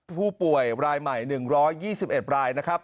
ผู้ป่วยรายใหม่๑๒๑ราย